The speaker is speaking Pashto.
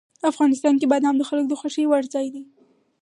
افغانستان کې بادام د خلکو د خوښې وړ ځای دی.